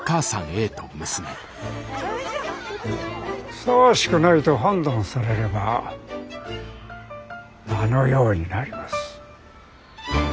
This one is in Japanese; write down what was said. ふさわしくないと判断されればあのようになります。